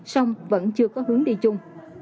xong vẫn chưa có hướng đi chung